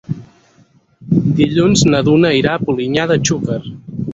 Dilluns na Duna irà a Polinyà de Xúquer.